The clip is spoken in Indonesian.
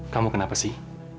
kamu kenapa sih